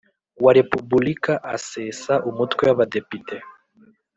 wa Repubulika asesa Umutwe w Abadepite